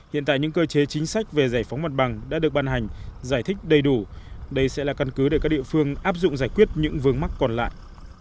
hiện tại những cơ chế chính sách về giải phóng mặt bằng đã được ban hành giải thích đầy đủ đây sẽ là căn cứ để các địa phương áp dụng giải quyết những vướng mắc còn lại